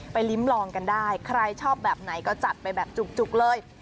ลิ้มลองกันได้ใครชอบแบบไหนก็จัดไปแบบจุกเลย